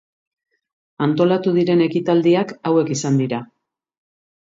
Antolatu diren ekitaldiak hauek izan dira.